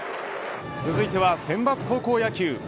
続いては選抜高校野球。